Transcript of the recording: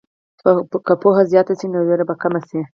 که پوهه زیاته شي، نو ویره به کمه شي.